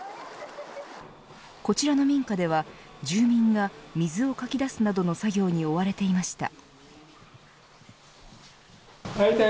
こちらの民家では住民が水をかき出すなどの作業に追われていました。